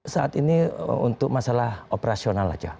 saat ini untuk masalah operasional saja